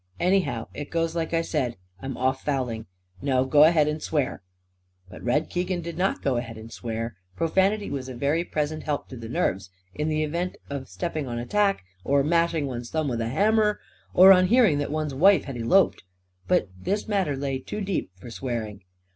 Anyhow, it goes like I said. I'm off fouling. Now go ahead and swear!" But Red Keegan did not go ahead and swear. Profanity was a very present help to the nerves, in the event of stepping on a tack or mashing one's thumb with a hammer or on hearing that one's wife had eloped. But this matter lay too deep for swearing.